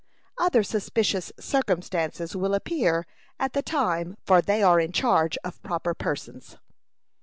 Other suspicious circumstances will appear at the time for they are in charge of proper persons."